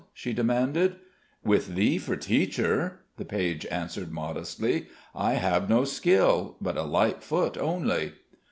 she demanded. "With thee for teacher," the page answered modestly. "I have no skill, but a light foot only."